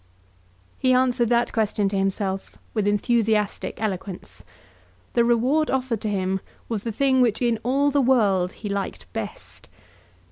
He answered that question to himself with enthusiastic eloquence. The reward offered to him was the thing which in all the world he liked best.